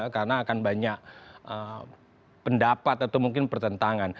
karena akan banyak pendapat atau mungkin pertentangan